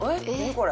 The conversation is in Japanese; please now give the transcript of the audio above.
これ」